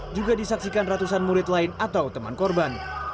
juga disaksikan ratusan murid lain atau teman korban